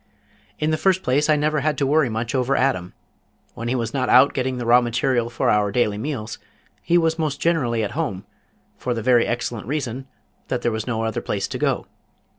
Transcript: "In the first place I never had to worry much over Adam. When he was not out getting the raw material for our daily meals he was most generally at home, for the very excellent reason that there was no other place to go.